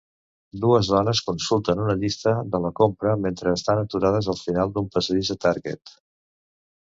Dues dones consulten una llista de la compra mentre estan aturades al final d'un passadís a Target.